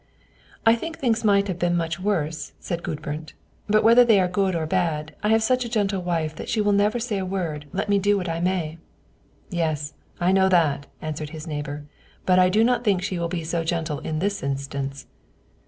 "I think things might have been much worse," said Gudbrand; "but whether they are good or bad, I have such a gentle wife that she will never say a word, let me do what I may." "Yes, that I know," answered his neighbor; "but I do not think she will be so gentle in this instance."